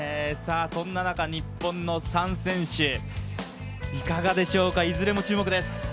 そんな中、日本の３選手いかがでしょうかいずれも注目です。